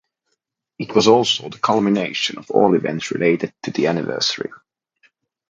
It was also the culmination of all events related to the anniversary.